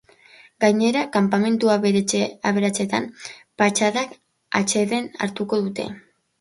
Gainera, kanpamentu aberatsean patxadaz atseden hartuko dute.